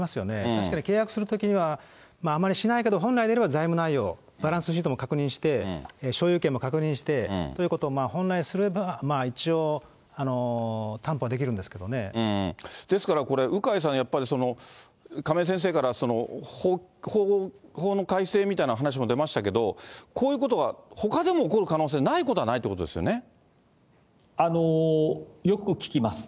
確かに契約するときには、あまりしないけど、本来であれば財務内容、バランスシートも確認して、所有権も確認してということを本来すれば、一応、ですからこれ、鵜飼さん、やっぱり亀井先生から法の改正みたいな話も出ましたけど、こういうことはほかでも起こる可能性ないことはないということでよく聞きます。